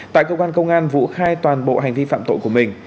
tại cơ quan công an vũ khai toàn bộ hành vi phạm tội của mình